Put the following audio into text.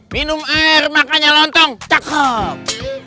minum air makanya lontong cakep